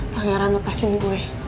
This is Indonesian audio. pak ngeran lepasin gue